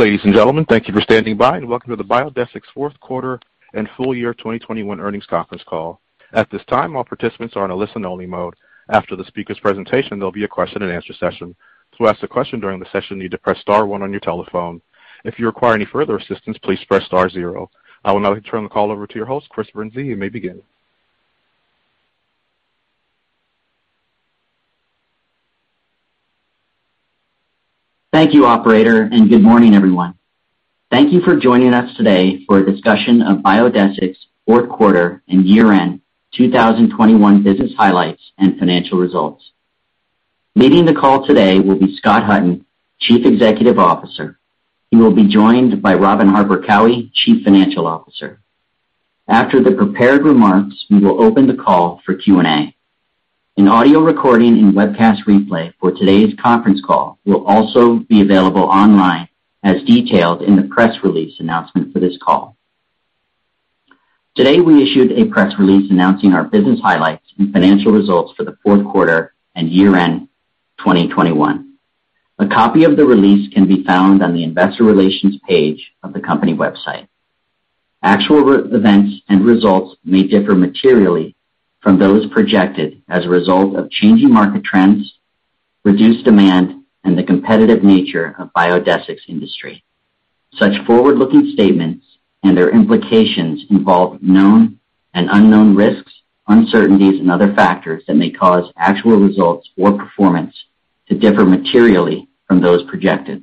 Ladies and gentlemen, thank you for standing by, and welcome to the Biodesix fourth quarter and full year 2021 earnings conference call. At this time, all participants are in a listen-only mode. After the speaker's presentation, there'll be a question-and-answer session. To ask a question during the session, you need to press star one on your telephone. If you require any further assistance, please press star zero. I would now like to turn the call over to your host, Chris Brinzey. You may begin. Thank you, operator, and good morning, everyone. Thank you for joining us today for a discussion of Biodesix's fourth quarter and year-end 2021 business highlights and financial results. Leading the call today will be Scott Hutton, Chief Executive Officer. He will be joined by Robin Harper Cowie, Chief Financial Officer. After the prepared remarks, we will open the call for Q&A. An audio recording and webcast replay for today's conference call will also be available online as detailed in the press release announcement for this call. Today, we issued a press release announcing our business highlights and financial results for the fourth quarter and year-end 2021. A copy of the release can be found on the investor relations page of the company website. Actual events and results may differ materially from those projected as a result of changing market trends, reduced demand, and the competitive nature of Biodesix's industry. Such forward-looking statements and their implications involve known and unknown risks, uncertainties, and other factors that may cause actual results or performance to differ materially from those projected.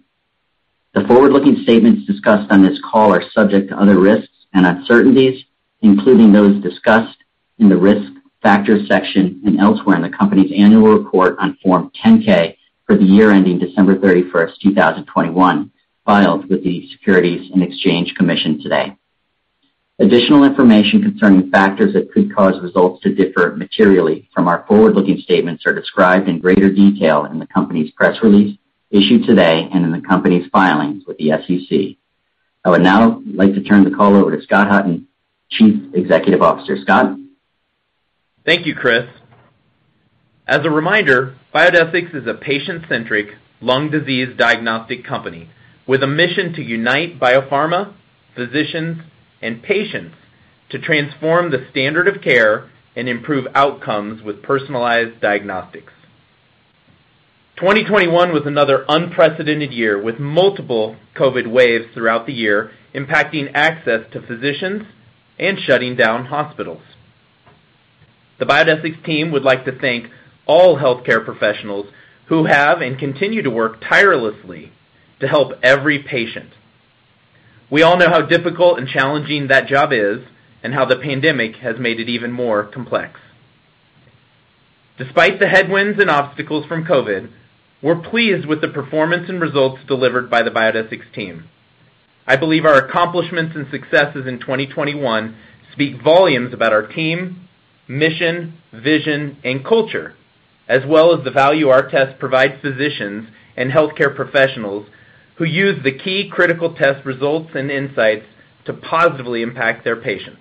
The forward-looking statements discussed on this call are subject to other risks and uncertainties, including those discussed in the Risk Factors section and elsewhere in the company's annual report on Form 10-K for the year ending December 31st, 2021, filed with the Securities and Exchange Commission today. Additional information concerning factors that could cause results to differ materially from our forward-looking statements are described in greater detail in the company's press release issued today and in the company's filings with the SEC. I would now like to turn the call over to Scott Hutton, Chief Executive Officer. Scott? Thank you, Chris. As a reminder, Biodesix is a patient-centric lung disease diagnostic company with a mission to unite biopharma, physicians, and patients to transform the standard of care and improve outcomes with personalized diagnostics. 2021 was another unprecedented year, with multiple COVID waves throughout the year impacting access to physicians and shutting down hospitals. The Biodesix team would like to thank all healthcare professionals who have and continue to work tirelessly to help every patient. We all know how difficult and challenging that job is and how the pandemic has made it even more complex. Despite the headwinds and obstacles from COVID, we're pleased with the performance and results delivered by the Biodesix team. I believe our accomplishments and successes in 2021 speak volumes about our team, mission, vision, and culture, as well as the value our tests provide physicians and healthcare professionals who use the key critical test results and insights to positively impact their patients.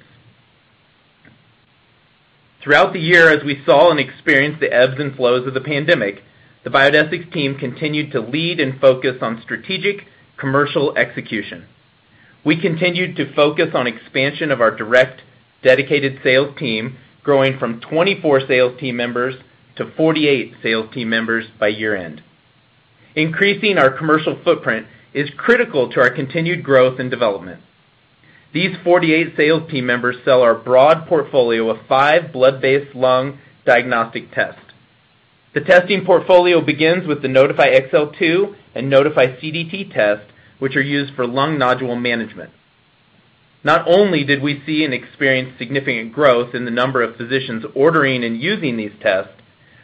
Throughout the year, as we saw and experienced the ebbs and flows of the pandemic, the Biodesix team continued to lead and focus on strategic commercial execution. We continued to focus on expansion of our direct dedicated sales team, growing from 24 sales team members to 48 sales team members by year-end. Increasing our commercial footprint is critical to our continued growth and development. These 48 sales team members sell our broad portfolio of five blood-based lung diagnostic tests. The testing portfolio begins with the Nodify XL2 and Nodify CDT test, which are used for lung nodule management. Not only did we see and experience significant growth in the number of physicians ordering and using these tests,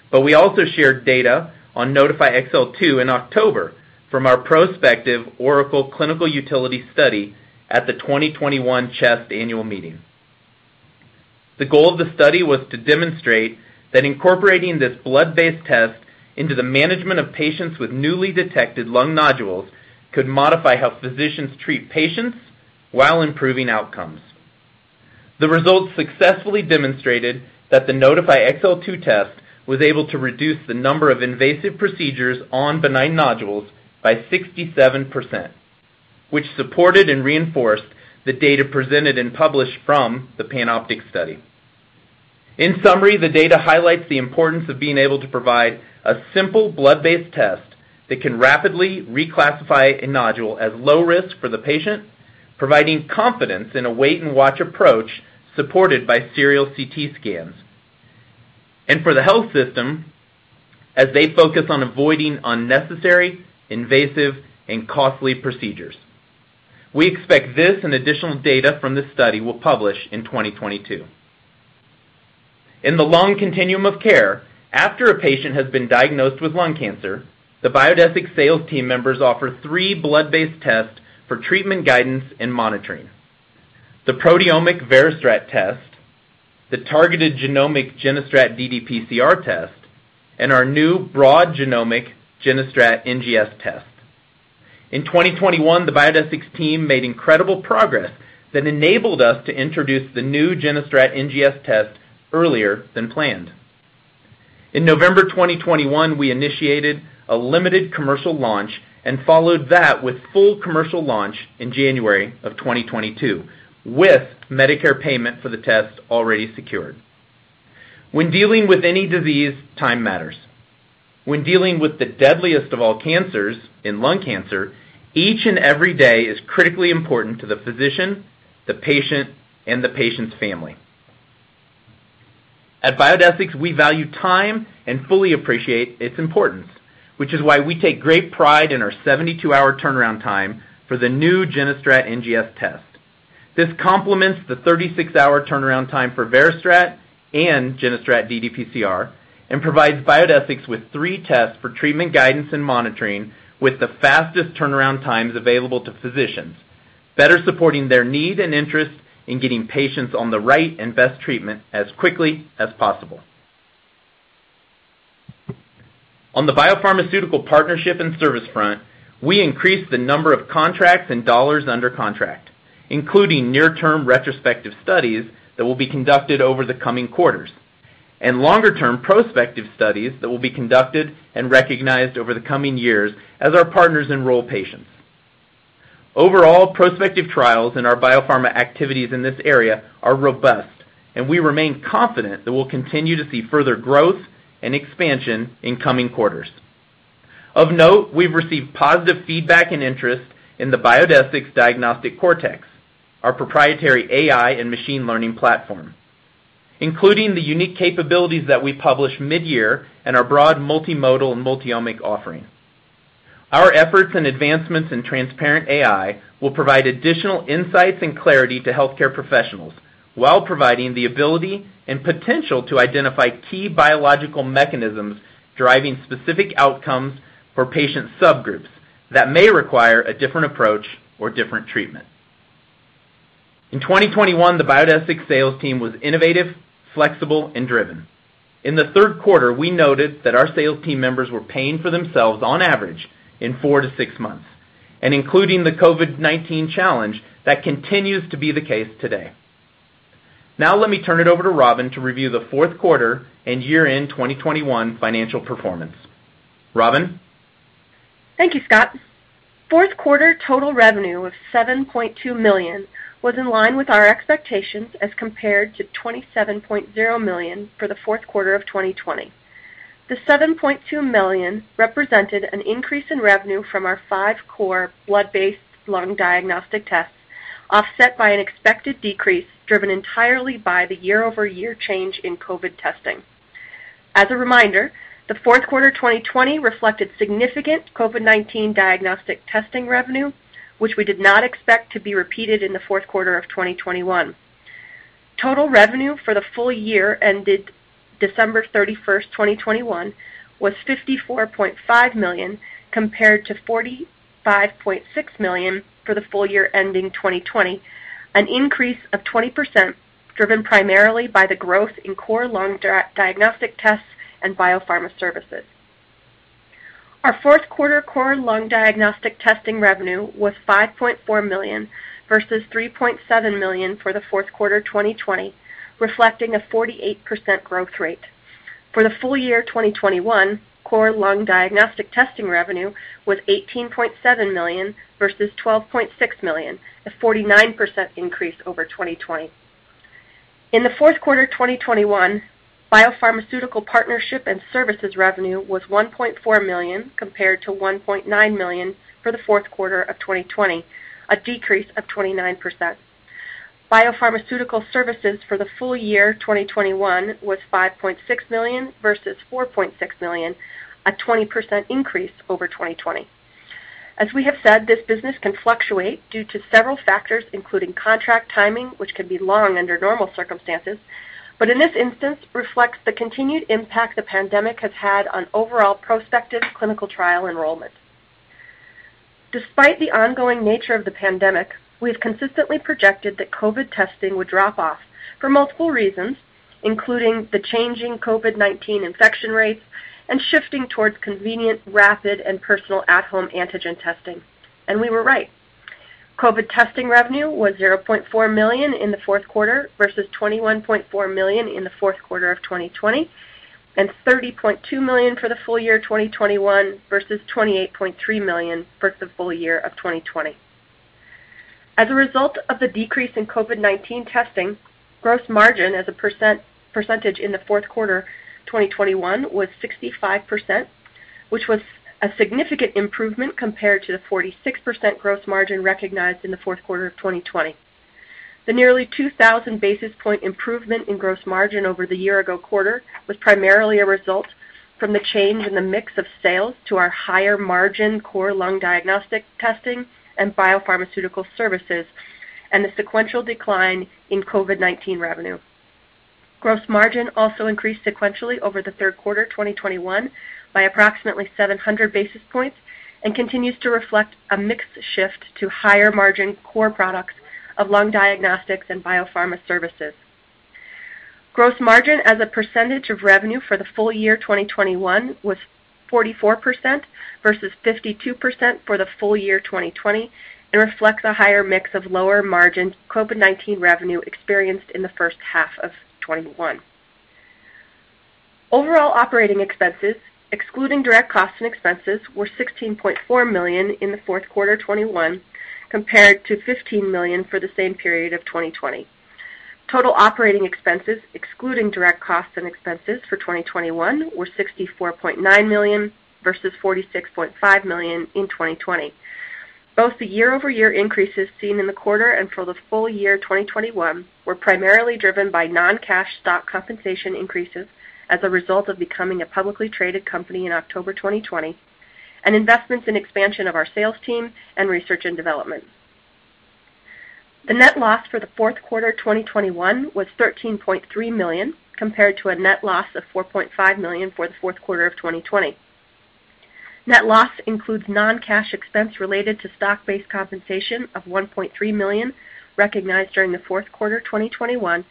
but we also shared data on Nodify XL2 in October from our prospective ORACLE clinical utility study at the 2021 CHEST Annual Meeting. The goal of the study was to demonstrate that incorporating this blood-based test into the management of patients with newly detected lung nodules could modify how physicians treat patients while improving outcomes. The results successfully demonstrated that the Nodify XL2 test was able to reduce the number of invasive procedures on benign nodules by 67%, which supported and reinforced the data presented and published from the PANOPTIC study. In summary, the data highlights the importance of being able to provide a simple blood-based test that can rapidly reclassify a nodule as low risk for the patient, providing confidence in a wait-and-watch approach supported by serial CT scans, and for the health system as they focus on avoiding unnecessary, invasive, and costly procedures. We expect this and additional data from this study will publish in 2022. In the lung continuum of care, after a patient has been diagnosed with lung cancer, the Biodesix sales team members offer three blood-based tests for treatment guidance and monitoring. The proteomic VeriStrat test, the targeted genomic GeneStrat ddPCR test, and our new broad genomic GeneStrat NGS test. In 2021, the Biodesix team made incredible progress that enabled us to introduce the new GeneStrat NGS test earlier than planned. In November 2021, we initiated a limited commercial launch and followed that with full commercial launch in January of 2022, with Medicare payment for the test already secured. When dealing with any disease, time matters. When dealing with the deadliest of all cancers, in lung cancer, each and every day is critically important to the physician, the patient, and the patient's family. At Biodesix, we value time and fully appreciate its importance, which is why we take great pride in our 72-hour turnaround time for the new GeneStrat NGS test. This complements the 36-hour turnaround time for VeriStrat and GeneStrat ddPCR, and provides Biodesix with three tests for treatment guidance and monitoring, with the fastest turnaround times available to physicians, better supporting their need and interest in getting patients on the right and best treatment as quickly as possible. On the biopharmaceutical partnership and service front, we increased the number of contracts and dollars under contract, including near-term retrospective studies that will be conducted over the coming quarters, and longer-term prospective studies that will be conducted and recognized over the coming years as our partners enroll patients. Overall, prospective trials in our biopharma activities in this area are robust, and we remain confident that we'll continue to see further growth and expansion in coming quarters. Of note, we've received positive feedback and interest in the Biodesix Diagnostic Cortex, our proprietary AI and machine learning platform, including the unique capabilities that we published mid-year and our broad multimodal and multi-omic offering. Our efforts and advancements in transparent AI will provide additional insights and clarity to healthcare professionals while providing the ability and potential to identify key biological mechanisms driving specific outcomes for patient subgroups that may require a different approach or different treatment. In 2021, the Biodesix sales team was innovative, flexible and driven. In the third quarter, we noted that our sales team members were paying for themselves on average in four to six months, and including the COVID-19 challenge, that continues to be the case today. Now, let me turn it over to Robin to review the fourth quarter and year-end 2021 financial performance. Robin? Thank you, Scott. Fourth quarter total revenue of $7.2 million was in line with our expectations as compared to $27.0 million for the fourth quarter of 2020. The $7.2 million represented an increase in revenue from our five core blood-based lung diagnostic tests, offset by an expected decrease driven entirely by the year-over-year change in COVID testing. As a reminder, the fourth quarter 2020 reflected significant COVID-19 diagnostic testing revenue, which we did not expect to be repeated in the fourth quarter of 2021. Total revenue for the full year ended December 31st, 2021 was $54.5 million, compared to $45.6 million for the full year ending 2020, an increase of 20%, driven primarily by the growth in core lung diagnostic tests and biopharma services. Our fourth quarter core lung diagnostic testing revenue was $5.4 million versus $3.7 million for the fourth quarter 2020, reflecting a 48% growth rate. For the full year 2021, core lung diagnostic testing revenue was $18.7 million versus $12.6 million, a 49% increase over 2020. In the fourth quarter 2021, biopharmaceutical partnership and services revenue was $1.4 million compared to $1.9 million for the fourth quarter of 2020, a decrease of 29%. Biopharmaceutical services for the full year 2021 was $5.6 million versus $4.6 million, a 20% increase over 2020. As we have said, this business can fluctuate due to several factors, including contract timing, which can be long under normal circumstances, but in this instance, reflects the continued impact the pandemic has had on overall prospective clinical trial enrollment. Despite the ongoing nature of the pandemic, we've consistently projected that COVID testing would drop off for multiple reasons, including the changing COVID-19 infection rates and shifting towards convenient, rapid, and personal at-home antigen testing. We were right. COVID testing revenue was $0.4 million in the fourth quarter versus $21.4 million in the fourth quarter of 2020, and $30.2 million for the full year 2021 versus $28.3 million for the full year of 2020. As a result of the decrease in COVID-19 testing, gross margin as a percentage in the fourth quarter 2021 was 65%, which was a significant improvement compared to the 46% gross margin recognized in the fourth quarter of 2020. The nearly 2,000 basis point improvement in gross margin over the year-ago quarter was primarily a result from the change in the mix of sales to our higher-margin core lung diagnostic testing and biopharmaceutical services, and the sequential decline in COVID-19 revenue. Gross margin also increased sequentially over the third quarter 2021 by approximately 700 basis points and continues to reflect a mix shift to higher-margin core products of lung diagnostics and biopharma services. Gross margin as a percentage of revenue for the full year 2021 was 44% versus 52% for the full year 2020 and reflects a higher mix of lower margin COVID-19 revenue experienced in the first half of 2021. Overall operating expenses, excluding direct costs and expenses, were $16.4 million in the fourth quarter 2021 compared to $15 million for the same period of 2020. Total operating expenses, excluding direct costs and expenses for 2021, were $64.9 million versus $46.5 million in 2020. Both the year-over-year increases seen in the quarter and for the full year 2021 were primarily driven by non-cash stock compensation increases as a result of becoming a publicly traded company in October 2020 and investments in expansion of our sales team and research and development. The net loss for the fourth quarter 2021 was $13.3 million compared to a net loss of $4.5 million for the fourth quarter of 2020. Net loss includes non-cash expense related to stock-based compensation of $1.3 million recognized during the fourth quarter 2021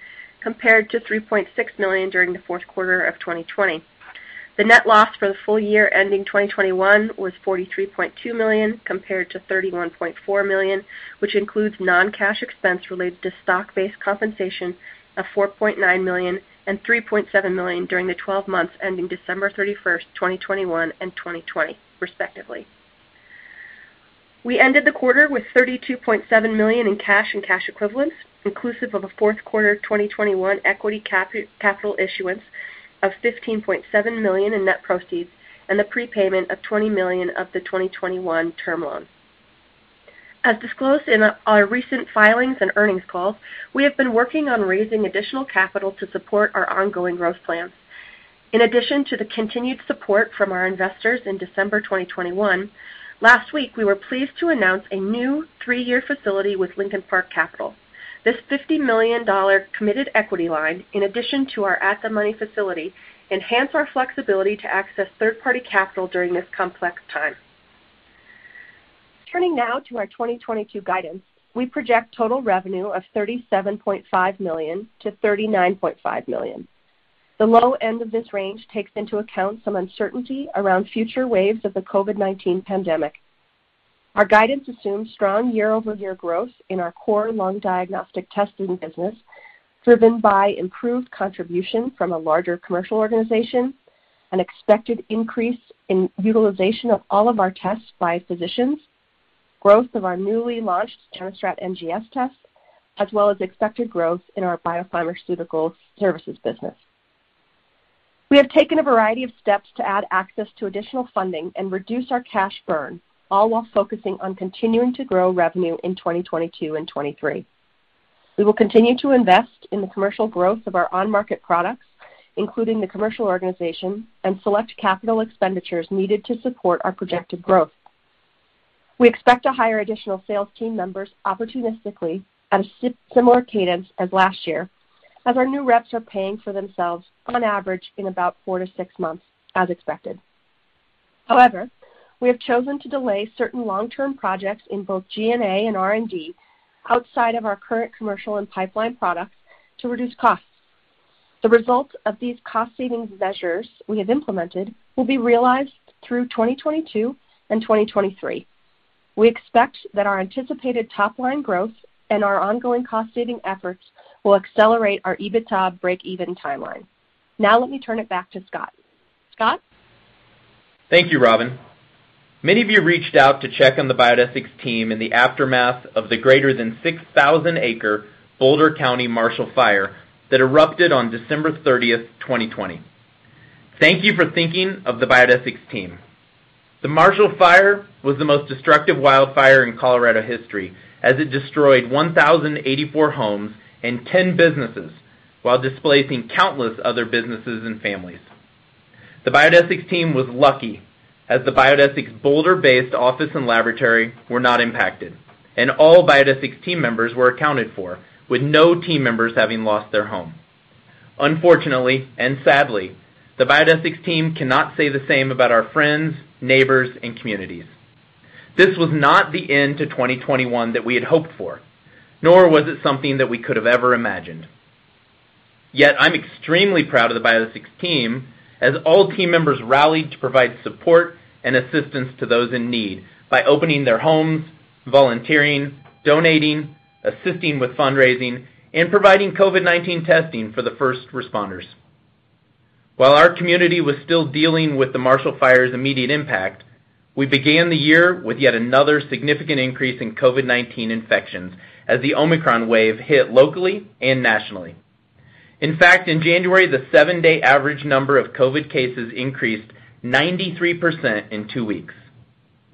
compared to $3.6 million during the fourth quarter of 2020. The net loss for the full year ending 2021 was $43.2 million compared to $31.4 million, which includes non-cash expense related to stock-based compensation of $4.9 million and $3.7 million during the 12 months ending December 31st, 2021 and 2020 respectively. We ended the quarter with $32.7 million in cash and cash equivalents, inclusive of a fourth quarter 2021 equity capital issuance of $15.7 million in net proceeds and the prepayment of $20 million of the 2021 term loan. As disclosed in our recent filings and earnings calls, we have been working on raising additional capital to support our ongoing growth plans. In addition to the continued support from our investors in December 2021, last week we were pleased to announce a new three-year facility with Lincoln Park Capital. This $50 million committed equity line, in addition to our at-the-money facility, enhance our flexibility to access third-party capital during this complex time. Turning now to our 2022 guidance, we project total revenue of $37.5 million-$39.5 million. The low end of this range takes into account some uncertainty around future waves of the COVID-19 pandemic. Our guidance assumes strong year-over-year growth in our core lung diagnostic testing business, driven by improved contribution from a larger commercial organization, an expected increase in utilization of all of our tests by physicians, growth of our newly launched GeneStrat NGS test, as well as expected growth in our biopharmaceutical services business. We have taken a variety of steps to add access to additional funding and reduce our cash burn, all while focusing on continuing to grow revenue in 2022 and 2023. We will continue to invest in the commercial growth of our on-market products, including the commercial organization and select capital expenditures needed to support our projected growth. We expect to hire additional sales team members opportunistically at a similar cadence as last year, as our new reps are paying for themselves on average in about four to six months, as expected. However, we have chosen to delay certain long-term projects in both G&A and R&D outside of our current commercial and pipeline products to reduce costs. The results of these cost-saving measures we have implemented will be realized through 2022 and 2023. We expect that our anticipated top-line growth and our ongoing cost-saving efforts will accelerate our EBITDA break even timeline. Now let me turn it back to Scott. Scott? Thank you, Robin. Many of you reached out to check on the Biodesix team in the aftermath of the greater than 6,000-acre Boulder County Marshall Fire that erupted on December 30th, 2021. Thank you for thinking of the Biodesix team. The Marshall Fire was the most destructive wildfire in Colorado history as it destroyed 1,084 homes and 10 businesses while displacing countless other businesses and families. The Biodesix team was lucky as the Biodesix Boulder-based office and laboratory were not impacted, and all Biodesix team members were accounted for, with no team members having lost their home. Unfortunately, and sadly, the Biodesix team cannot say the same about our friends, neighbors, and communities. This was not the end to 2021 that we had hoped for, nor was it something that we could have ever imagined. Yet I'm extremely proud of the Biodesix team as all team members rallied to provide support and assistance to those in need by opening their homes, volunteering, donating, assisting with fundraising, and providing COVID-19 testing for the first responders. While our community was still dealing with the Marshall Fire's immediate impact, we began the year with yet another significant increase in COVID-19 infections as the Omicron wave hit locally and nationally. In fact, in January, the seven-day average number of COVID cases increased 93% in two weeks.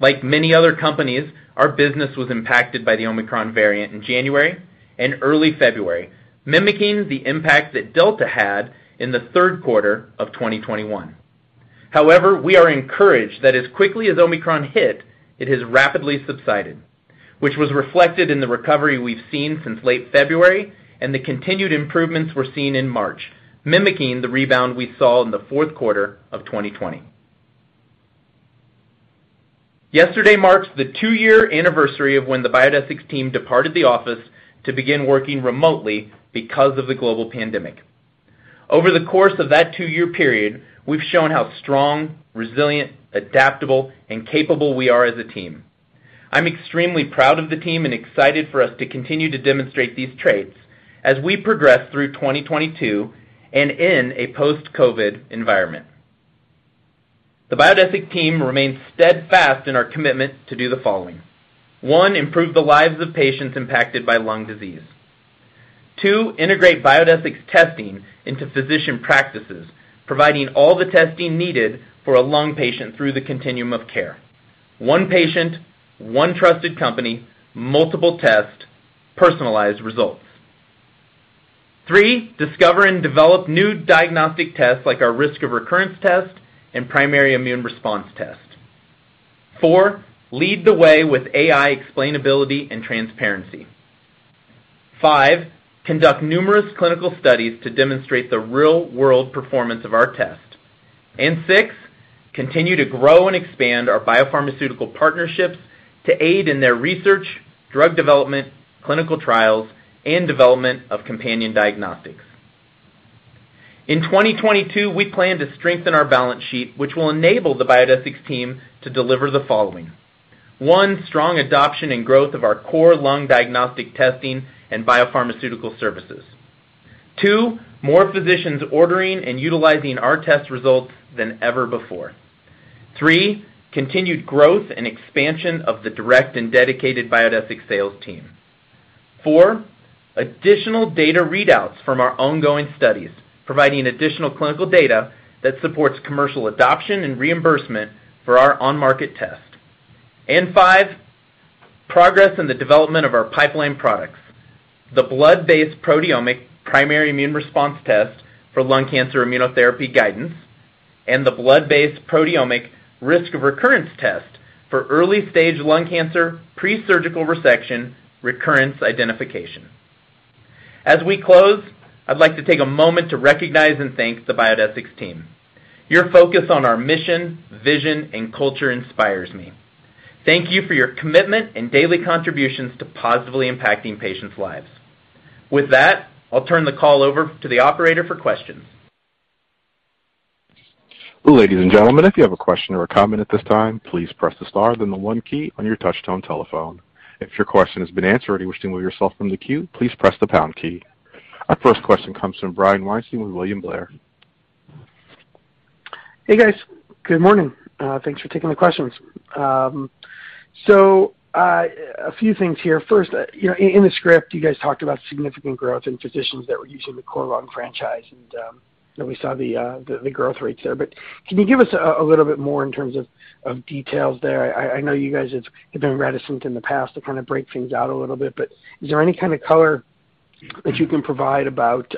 Like many other companies, our business was impacted by the Omicron variant in January and early February, mimicking the impact that Delta had in the third quarter of 2021. However, we are encouraged that as quickly as Omicron hit, it has rapidly subsided, which was reflected in the recovery we've seen since late February and the continued improvements were seen in March, mimicking the rebound we saw in the fourth quarter of 2020. Yesterday marks the two-year anniversary of when the Biodesix team departed the office to begin working remotely because of the global pandemic. Over the course of that two-year period, we've shown how strong, resilient, adaptable, and capable we are as a team. I'm extremely proud of the team and excited for us to continue to demonstrate these traits as we progress through 2022 and in a post-COVID environment. The Biodesix team remains steadfast in our commitment to do the following: One, improve the lives of patients impacted by lung disease. Two, integrate Biodesix testing into physician practices, providing all the testing needed for a lung patient through the continuum of care. One patient, one trusted company, multiple tests, personalized results. Three, discover and develop new diagnostic tests like our Risk of Recurrence test and Primary Immune Response test. Four, lead the way with AI explainability and transparency. Five, conduct numerous clinical studies to demonstrate the real-world performance of our test. And six, continue to grow and expand our biopharmaceutical partnerships to aid in their research, drug development, clinical trials, and development of companion diagnostics. In 2022, we plan to strengthen our balance sheet, which will enable the Biodesix team to deliver the following: One, strong adoption and growth of our core lung diagnostic testing and biopharmaceutical services. Two, more physicians ordering and utilizing our test results than ever before. Three, continued growth and expansion of the direct and dedicated Biodesix sales team. Four, additional data readouts from our ongoing studies, providing additional clinical data that supports commercial adoption and reimbursement for our on-market test. And five, progress in the development of our pipeline products, the blood-based proteomic Primary Immune Response test for lung cancer immunotherapy guidance, and the blood-based proteomic Risk of Recurrence test for early-stage lung cancer pre-surgical resection recurrence identification. As we close, I'd like to take a moment to recognize and thank the Biodesix team. Your focus on our mission, vision, and culture inspires me. Thank you for your commitment and daily contributions to positively impacting patients' lives. With that, I'll turn the call over to the operator for questions. Our first question comes from Brian Weinstein with William Blair. Hey, guys. Good morning. Thanks for taking the questions. So, a few things here. First, you know, in the script, you guys talked about significant growth in physicians that were using the Core Lung franchise, and, you know, we saw the growth rates there. But can you give us a little bit more in terms of details there? I know you guys have been reticent in the past to kind of break things out a little bit, but is there any kind of color that you can provide about,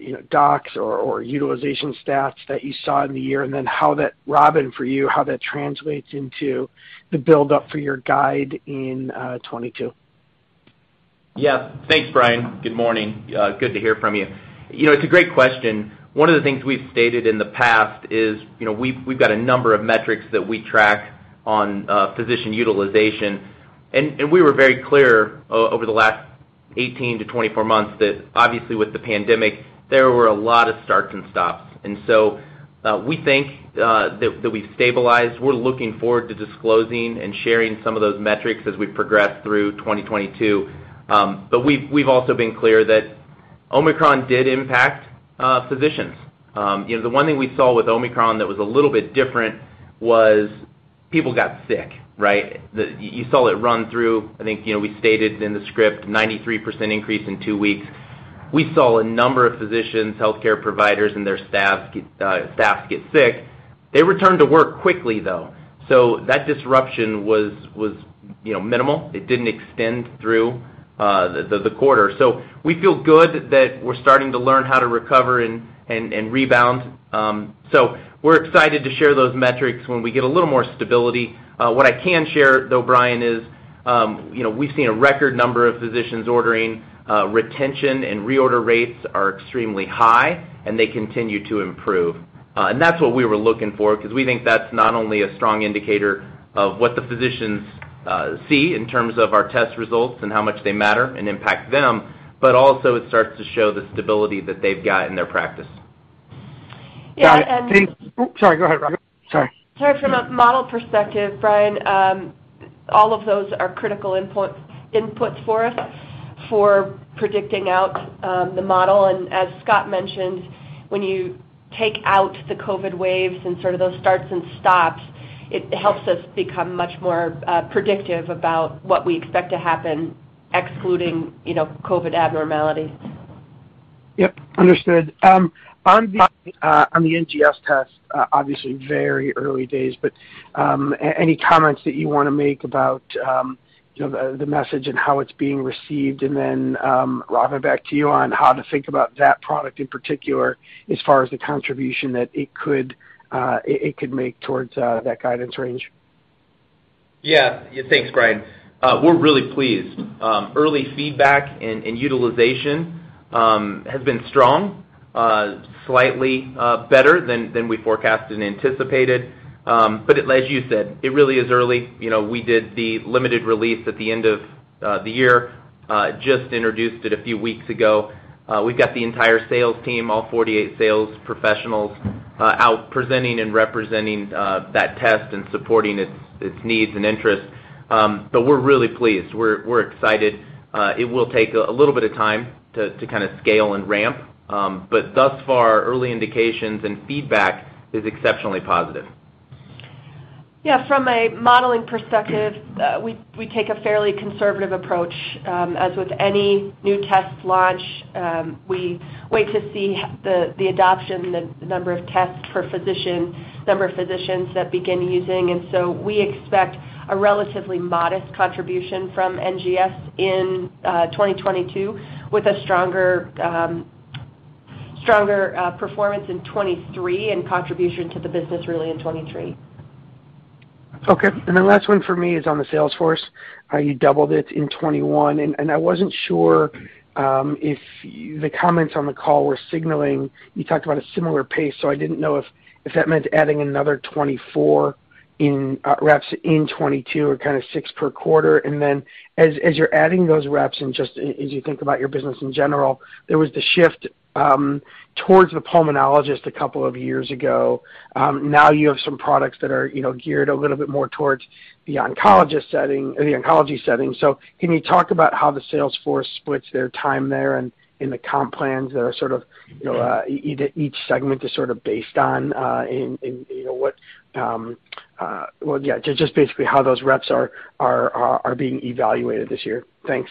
you know, docs or utilization stats that you saw in the year, and then how that... Robin, for you, how that translates into the buildup for your guide in 2022? Yeah. Thanks, Brian. Good morning. Good to hear from you. You know, it's a great question. One of the things we've stated in the past is, you know, we've got a number of metrics that we track on physician utilization. We were very clear over the last 18-24 months that obviously with the pandemic, there were a lot of starts and stops. We think that we've stabilized. We're looking forward to disclosing and sharing some of those metrics as we progress through 2022. But we've also been clear that Omicron did impact physicians. You know, the one thing we saw with Omicron that was a little bit different was people got sick, right? You saw it run through, I think, we stated in the script, 93% increase in two weeks. We saw a number of physicians, healthcare providers, and their staffs get sick. They returned to work quickly, though. That disruption was minimal. It didn't extend through the quarter. We feel good that we're starting to learn how to recover and rebound. We're excited to share those metrics when we get a little more stability. What I can share, though, Brian, is we've seen a record number of physicians ordering, retention and reorder rates are extremely high, and they continue to improve. That's what we were looking for 'cause we think that's not only a strong indicator of what the physicians see in terms of our test results and how much they matter and impact them, but also it starts to show the stability that they've got in their practice. Yeah, and- Oh, sorry. Go ahead, Robin. Sorry. Sorry. From a model perspective, Brian, all of those are critical inputs for us for predicting out the model. As Scott mentioned, when you take out the COVID waves and sort of those starts and stops, it helps us become much more predictive about what we expect to happen excluding, you know, COVID abnormalities. Yep, understood. On the NGS test, obviously very early days, but any comments that you wanna make about, you know, the message and how it's being received? Robin, back to you on how to think about that product in particular as far as the contribution that it could make towards that guidance range. Yeah. Yeah, thanks, Brian. We're really pleased. Early feedback and utilization has been strong, slightly better than we forecasted and anticipated. But it really is early. Like you said, it really is early. You know, we did the limited release at the end of the year, just introduced it a few weeks ago. We've got the entire sales team, all 48 sales professionals, out presenting and representing that test and supporting its needs and interests. But we're really pleased. We're excited. It will take a little bit of time to kinda scale and ramp. But thus far, early indications and feedback is exceptionally positive. Yeah, from a modeling perspective, we take a fairly conservative approach, as with any new test launch. We wait to see the adoption, the number of tests per physician, number of physicians that begin using. We expect a relatively modest contribution from NGS in 2022 with a stronger performance in 2023 and contribution to the business really in 2023. Okay. The last one for me is on the sales force, how you doubled it in 2021. I wasn't sure if the comments on the call were signaling. You talked about a similar pace, so I didn't know if that meant adding another 24 reps in 2022 or kinda six per quarter. Then as you're adding those reps and just as you think about your business in general, there was the shift towards the pulmonologist a couple of years ago. Now you have some products that are, you know, geared a little bit more towards the oncologist setting or the oncology setting. Can you talk about how the sales force splits their time there and in the comp plans that are sort of, you know, each segment is sort of based on, in, you know, what. Well, yeah, just basically how those reps are being evaluated this year. Thanks.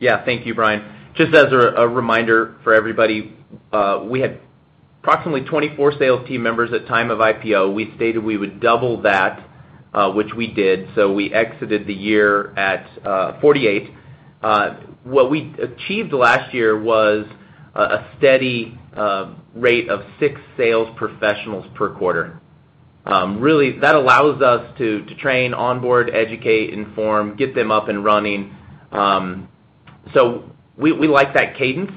Yeah. Thank you, Brian. Just as a reminder for everybody, we had approximately 24 sales team members at time of IPO. We stated we would double that, which we did. We exited the year at 48. What we achieved last year was a steady rate of six sales professionals per quarter. Really, that allows us to train, onboard, educate, inform, get them up and running. We like that cadence,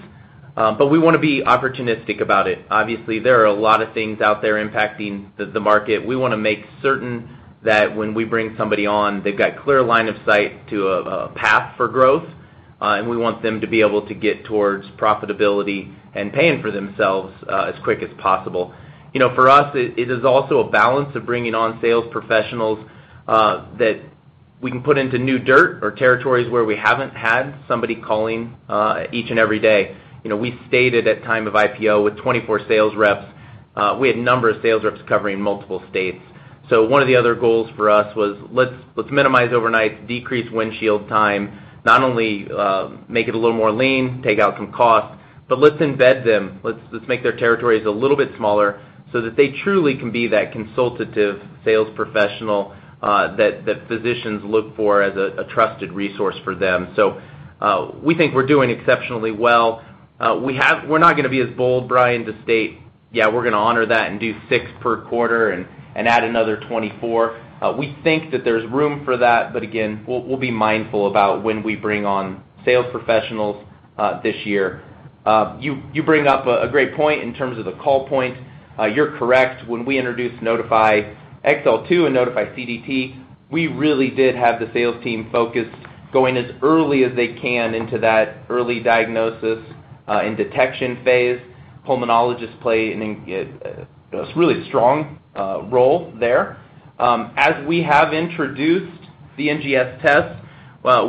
but we wanna be opportunistic about it. Obviously, there are a lot of things out there impacting the market. We wanna make certain that when we bring somebody on, they've got clear line of sight to a path for growth, and we want them to be able to get towards profitability and paying for themselves, as quick as possible. You know, for us, it is also a balance of bringing on sales professionals that we can put into new dirt or territories where we haven't had somebody calling each and every day. You know, we started at time of IPO with 24 sales reps. We had a number of sales reps covering multiple states. One of the other goals for us was let's minimize overnights, decrease windshield time, not only make it a little more lean, take out some costs, but let's embed them. Let's make their territories a little bit smaller so that they truly can be that consultative sales professional that physicians look for as a trusted resource for them. We think we're doing exceptionally well. We have... We're not gonna be as bold, Brian, to state, "Yeah, we're gonna honor that and do six per quarter and add another 24." We think that there's room for that, but again, we'll be mindful about when we bring on sales professionals this year. You bring up a great point in terms of the call point. You're correct. When we introduced Nodify XL2 and Nodify CDT, we really did have the sales team focused going as early as they can into that early diagnosis and detection phase. Pulmonologists play a really strong role there. As we have introduced the NGS test,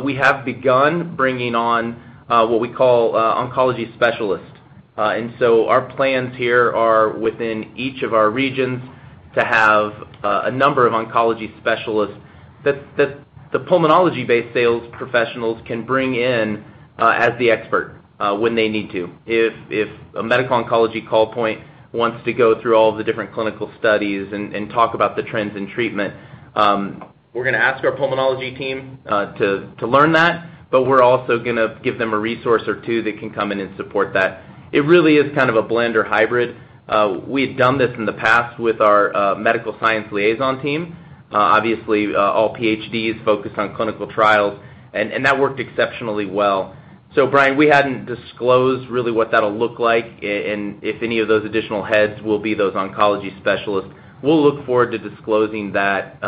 we have begun bringing on what we call oncology specialists. Our plans here are within each of our regions to have a number of oncology specialists that the pulmonology-based sales professionals can bring in as the expert when they need to. If a medical oncology call point wants to go through all of the different clinical studies and talk about the trends in treatment, we're gonna ask our pulmonology team to learn that, but we're also gonna give them a resource or two that can come in and support that. It really is kind of a blend or hybrid. We had done this in the past with our medical science liaison team, obviously, all PhDs focused on clinical trials, and that worked exceptionally well. Brian, we hadn't disclosed really what that'll look like and if any of those additional heads will be those oncology specialists. We'll look forward to disclosing that,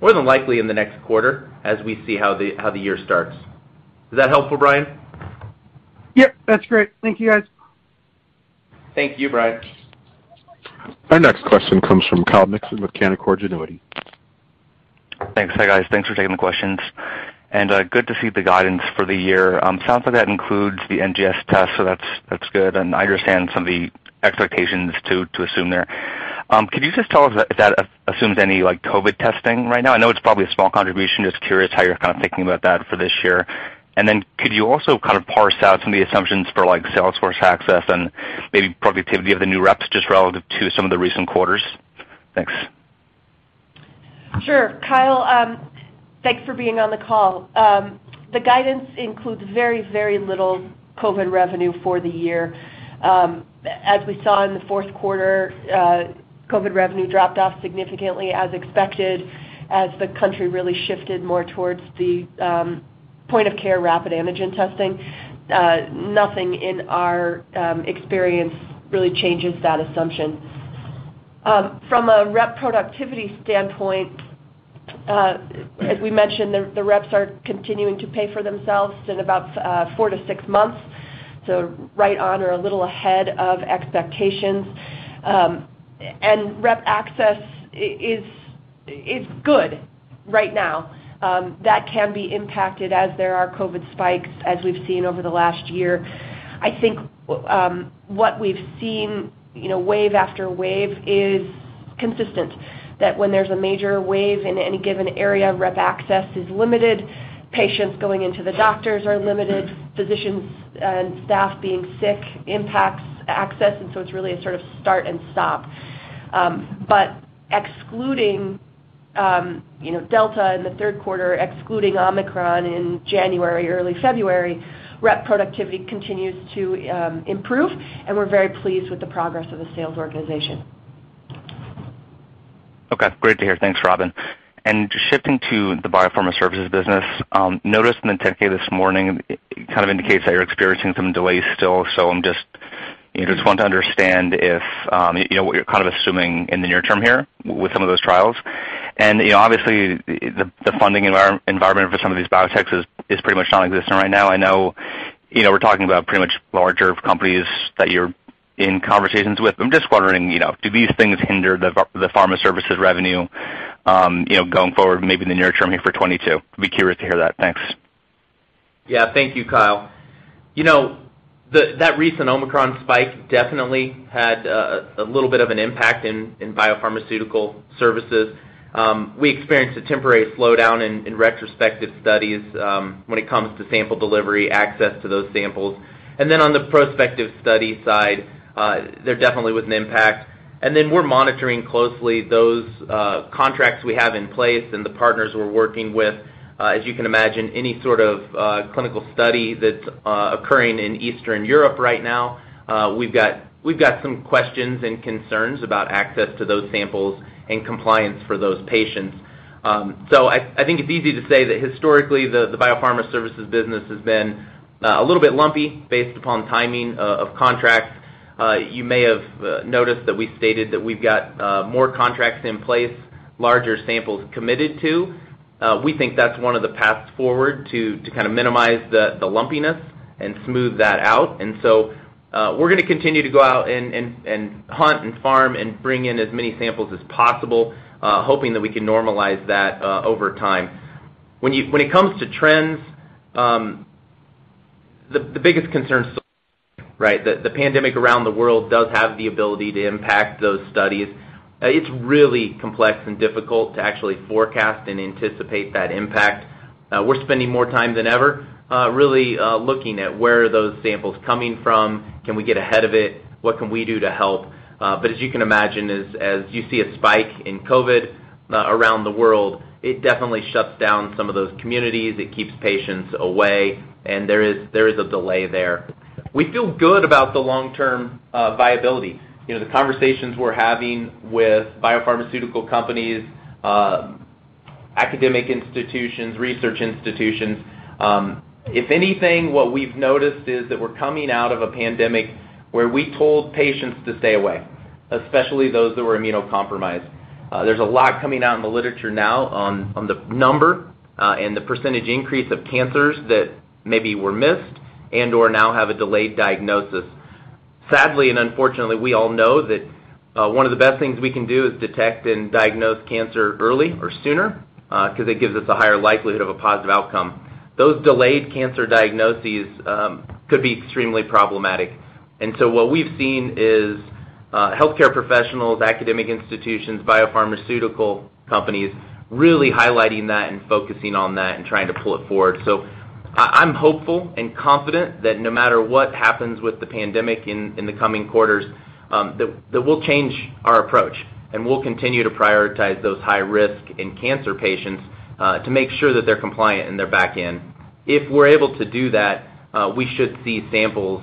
more than likely in the next quarter as we see how the year starts. Is that helpful, Brian? Yep, that's great. Thank you, guys. Thank you, Brian. Our next question comes from Kyle Mikson with Canaccord Genuity. Thanks. Hey, guys. Thanks for taking the questions, and good to see the guidance for the year. Sounds like that includes the NGS test, so that's good, and I understand some of the expectations to assume there. Could you just tell us if that assumes any, like, COVID testing right now? I know it's probably a small contribution. Just curious how you're kind of thinking about that for this year. Could you also kind of parse out some of the assumptions for, like, salesforce access and maybe productivity of the new reps just relative to some of the recent quarters? Thanks. Sure, Kyle. Thanks for being on the call. The guidance includes very, very little COVID revenue for the year. As we saw in the fourth quarter, COVID revenue dropped off significantly as expected as the country really shifted more towards the point of care rapid antigen testing. Nothing in our experience really changes that assumption. From a rep productivity standpoint, as we mentioned, the reps are continuing to pay for themselves in about four to six months, so right on or a little ahead of expectations. Rep access is good right now. That can be impacted as there are COVID spikes as we've seen over the last year. I think what we've seen, you know, wave after wave is consistent, that when there's a major wave in any given area, rep access is limited, patients going into the doctors are limited, physicians and staff being sick impacts access, and so it's really a sort of start and stop. Excluding, you know, Delta in the third quarter, excluding Omicron in January, early February, rep productivity continues to improve, and we're very pleased with the progress of the sales organization. Okay. Great to hear. Thanks, Robin. Shifting to the biopharma services business, noticed in the 10-K this morning, it kind of indicates that you're experiencing some delays still, so I'm just you know just want to understand if you know what you're kind of assuming in the near term here with some of those trials. You know, obviously the funding environment for some of these biotechs is pretty much nonexistent right now. I know you know we're talking about pretty much larger companies that you're in conversations with. I'm just wondering, you know, do these things hinder the pharma services revenue, you know, going forward, maybe in the near term here for 2022? I'd be curious to hear that. Thanks. Yeah. Thank you, Kyle. You know, that recent Omicron spike definitely had a little bit of an impact in biopharmaceutical services. We experienced a temporary slowdown in retrospective studies when it comes to sample delivery, access to those samples. Then on the prospective study side, there definitely was an impact. We're monitoring closely those contracts we have in place and the partners we're working with. As you can imagine, any sort of clinical study that's occurring in Eastern Europe right now, we've got some questions and concerns about access to those samples and compliance for those patients. So I think it's easy to say that historically the biopharma services business has been a little bit lumpy based upon timing of contracts. You may have noticed that we stated that we've got more contracts in place, larger samples committed to. We think that's one of the paths forward to kinda minimize the lumpiness and smooth that out. We're gonna continue to go out and hunt and farm and bring in as many samples as possible, hoping that we can normalize that over time. When it comes to trends, the biggest concern is, right? The pandemic around the world does have the ability to impact those studies. It's really complex and difficult to actually forecast and anticipate that impact. We're spending more time than ever, really looking at where are those samples coming from, can we get ahead of it? What can we do to help? As you can imagine, as you see a spike in COVID around the world, it definitely shuts down some of those communities. It keeps patients away, and there is a delay there. We feel good about the long-term viability. You know, the conversations we're having with biopharmaceutical companies, academic institutions, research institutions, if anything, what we've noticed is that we're coming out of a pandemic where we told patients to stay away, especially those that were immunocompromised. There's a lot coming out in the literature now on the number and the percentage increase of cancers that maybe were missed and/or now have a delayed diagnosis. Sadly and unfortunately, we all know that one of the best things we can do is detect and diagnose cancer early or sooner, 'cause it gives us a higher likelihood of a positive outcome. Those delayed cancer diagnoses could be extremely problematic. What we've seen is healthcare professionals, academic institutions, biopharmaceutical companies really highlighting that and focusing on that and trying to pull it forward. I'm hopeful and confident that no matter what happens with the pandemic in the coming quarters, that we'll change our approach, and we'll continue to prioritize those high-risk cancer patients to make sure that they're compliant and they're back in. If we're able to do that, we should see samples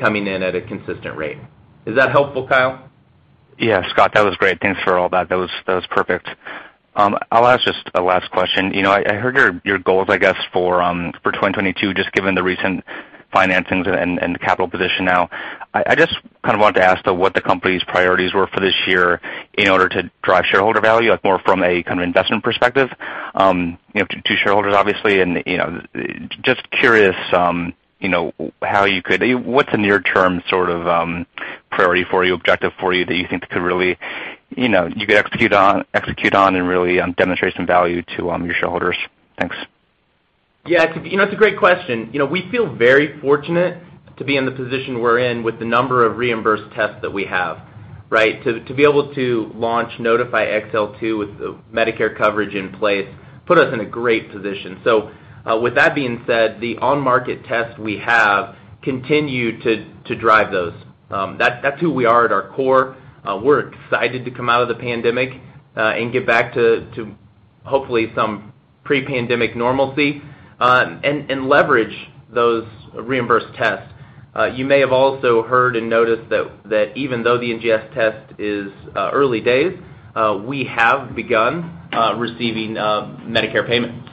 coming in at a consistent rate. Is that helpful, Kyle? Yeah, Scott, that was great. Thanks for all that. That was perfect. I'll ask just a last question. You know, I heard your goals, I guess, for 2022, just given the recent financings and the capital position now. I just kind of wanted to ask though what the company's priorities were for this year in order to drive shareholder value, like more from a kind of investment perspective, you know, to shareholders obviously. You know, just curious, you know, how you could. What's a near-term sort of priority for you, objective for you that you think could really, you know, you could execute on and really demonstrate some value to your shareholders? Thanks. Yeah. You know, it's a great question. You know, we feel very fortunate to be in the position we're in with the number of reimbursed tests that we have, right? To be able to launch Nodify XL2 with Medicare coverage in place put us in a great position. With that being said, the on-market tests we have continue to drive those. That's who we are at our core. We're excited to come out of the pandemic and get back to hopefully some pre-pandemic normalcy and leverage those reimbursed tests. You may have also heard and noticed that even though the NGS test is early days, we have begun receiving Medicare payments.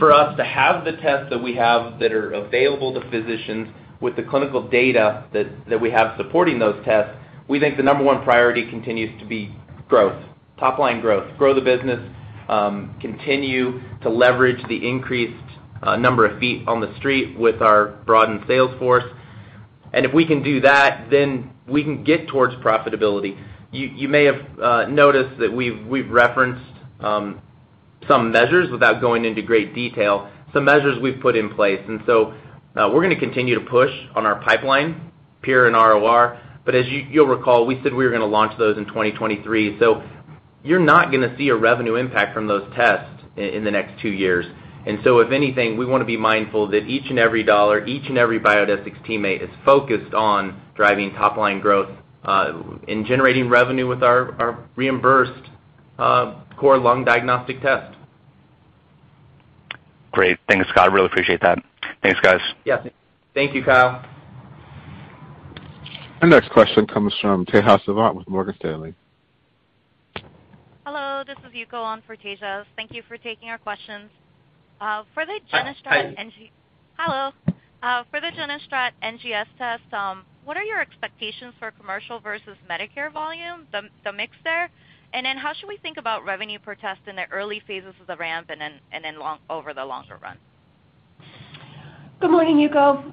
For us to have the tests that we have that are available to physicians with the clinical data that we have supporting those tests, we think the number one priority continues to be growth, top line growth. Grow the business, continue to leverage the increased number of feet on the street with our broadened sales force. If we can do that, then we can get towards profitability. You may have noticed that we've referenced some measures without going into great detail, some measures we've put in place. We're gonna continue to push on our pipeline, PIR and ROR, but as you'll recall, we said we were gonna launch those in 2023. You're not gonna see a revenue impact from those tests in the next two years. If anything, we wanna be mindful that each and every dollar, each and every Biodesix teammate is focused on driving top line growth, and generating revenue with our reimbursed core lung diagnostic test. Great. Thanks, Scott. I really appreciate that. Thanks, guys. Yeah. Thank you, Kyle. Our next question comes from Tejas Savant with Morgan Stanley. Hello, this is Yuko on for Tejas. Thank you for taking our questions. For the GeneStrat- Hi. Hello. For the GeneStrat NGS test, what are your expectations for commercial versus Medicare volume, the mix there? How should we think about revenue per test in the early phases of the ramp and then long, over the longer run? Good morning, Yuko.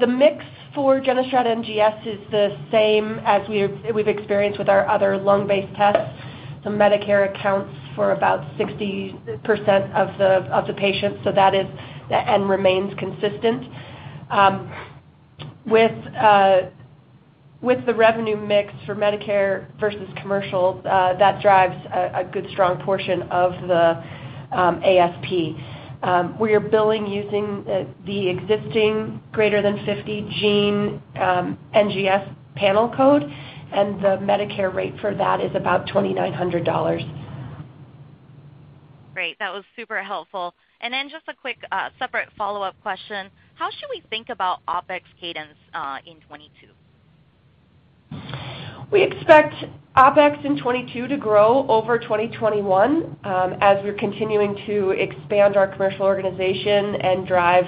The mix for GeneStrat NGS is the same as we've experienced with our other lung-based tests. The Medicare accounts for about 60% of the patients, so that is and remains consistent. With the revenue mix for Medicare versus commercial, that drives a good strong portion of the ASP. We are billing using the existing greater than 50 gene NGS panel code, and the Medicare rate for that is about $2,900. Great. That was super helpful. Just a quick, separate follow-up question. How should we think about OpEx cadence in 2022? We expect OpEx in 2022 to grow over 2021, as we're continuing to expand our commercial organization and drive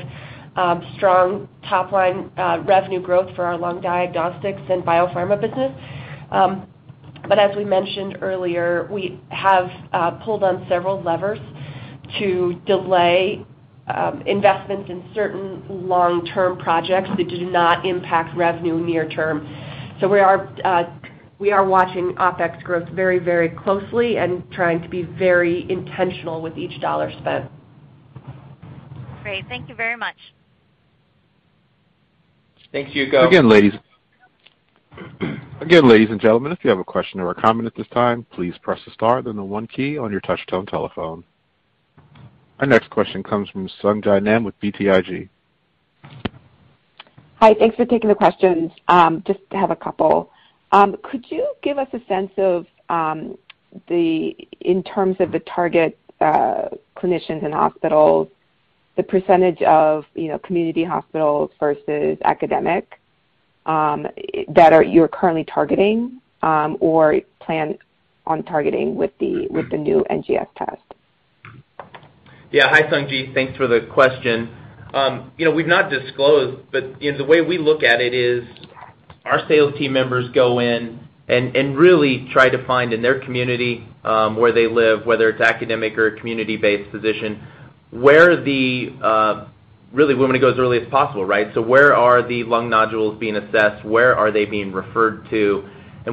strong top line revenue growth for our lung diagnostics and biopharma business. As we mentioned earlier, we have pulled on several levers to delay investments in certain long-term projects that do not impact revenue near term. We are watching OpEx growth very, very closely and trying to be very intentional with each dollar spent. Great. Thank you very much. Thanks, Yuko. Ladies and gentlemen, if you have a question or a comment at this time, please press the star then the one key on your touch-tone telephone. Our next question comes from Sung Ji Nam with BTIG. Hi. Thanks for taking the questions. Just have a couple. Could you give us a sense of, in terms of the target clinicians and hospitals, the percentage of, you know, community hospitals versus academic that you're currently targeting or plan on targeting with the new NGS test? Yeah. Hi, Sung Ji. Thanks for the question. You know, we've not disclosed, but in the way we look at it is our sales team members go in and really try to find in their community, where they live, whether it's academic or a community-based physician. Really we want to go as early as possible, right? Where are the lung nodules being assessed? Where are they being referred to?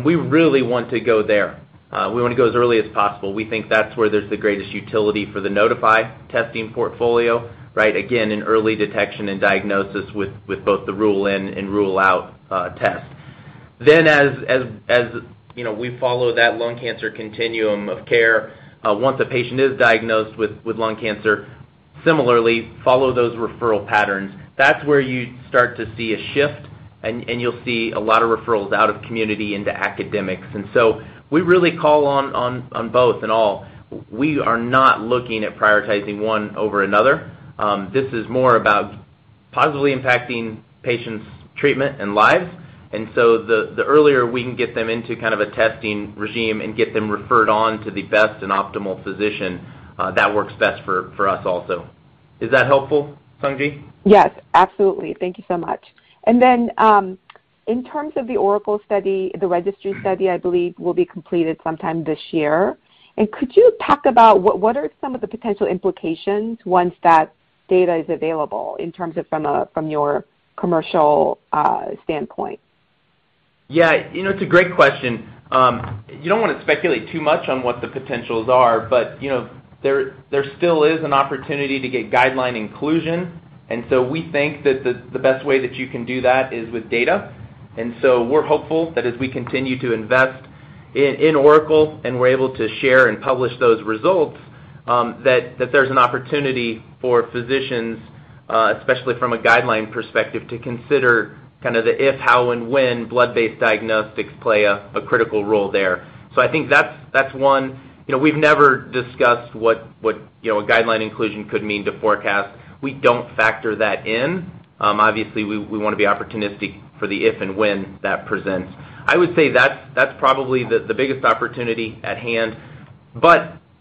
We really want to go there. We want to go as early as possible. We think that's where there's the greatest utility for the Nodify testing portfolio, right? Again, in early detection and diagnosis with both the rule in and rule out test. As you know, we follow that lung cancer continuum of care. Once a patient is diagnosed with lung cancer, we similarly follow those referral patterns. That's where you start to see a shift and you'll see a lot of referrals out of community into academics. We really call on both and all. We are not looking at prioritizing one over another. This is more about positively impacting patients' treatment and lives. The earlier we can get them into kind of a testing regime and get them referred on to the best and optimal physician, that works best for us also. Is that helpful, Sung Ji? Yes, absolutely. Thank you so much. In terms of the ORACLE study, the registry study, I believe, will be completed sometime this year. Could you talk about what are some of the potential implications once that data is available in terms of from your commercial standpoint? Yeah. You know, it's a great question. You don't wanna speculate too much on what the potentials are, but, you know, there still is an opportunity to get guideline inclusion. We think that the best way that you can do that is with data. We're hopeful that as we continue to invest in ORACLE, and we're able to share and publish those results, that there's an opportunity for physicians, especially from a guideline perspective, to consider kind of the if, how, and when blood-based diagnostics play a critical role there. I think that's one. You know, we've never discussed what a guideline inclusion could mean to forecast. We don't factor that in. Obviously we wanna be opportunistic for the if and when that presents. I would say that's that's probably the the biggest opportunity at hand.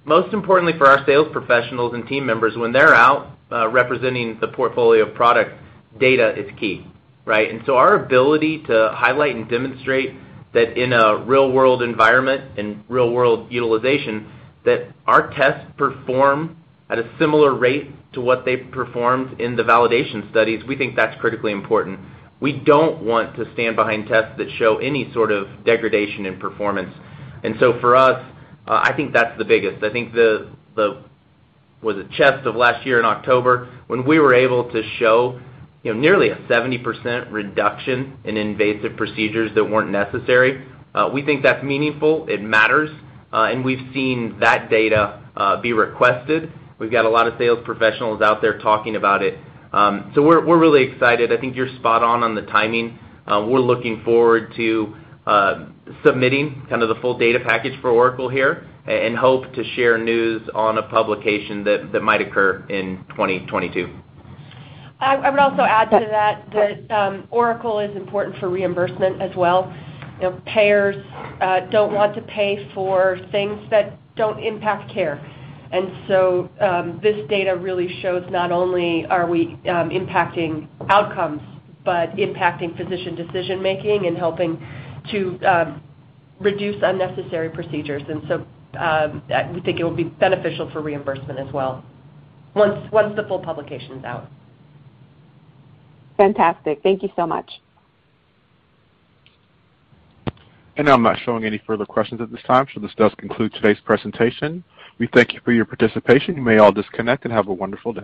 Most importantly for our sales professionals and team members, when they're out representing the portfolio of products, data is key, right? Our ability to highlight and demonstrate that in a real world environment and real world utilization, that our tests perform at a similar rate to what they performed in the validation studies, we think that's critically important. We don't want to stand behind tests that show any sort of degradation in performance. For us, I think that's the biggest. I think the CHEST of last year in October, when we were able to show, you know, nearly a 70% reduction in invasive procedures that weren't necessary, we think that's meaningful, it matters, and we've seen that data be requested. We've got a lot of sales professionals out there talking about it. We're really excited. I think you're spot on the timing. We're looking forward to submitting kind of the full data package for ORACLE here and hope to share news on a publication that might occur in 2022. I would also add to that, ORACLE is important for reimbursement as well. You know, payers don't want to pay for things that don't impact care. This data really shows not only are we impacting outcomes, but impacting physician decision-making and helping to reduce unnecessary procedures. We think it will be beneficial for reimbursement as well once the full publication's out. Fantastic. Thank you so much. I'm not showing any further questions at this time, so this does conclude today's presentation. We thank you for your participation. You may all disconnect and have a wonderful day.